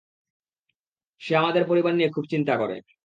সে আমাদের পরিবার নিয়ে খুব চিন্তা করে।